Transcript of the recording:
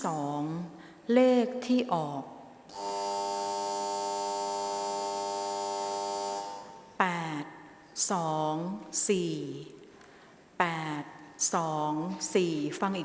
ออกรางวัลเลขหน้า๓ตัวครั้งที่๒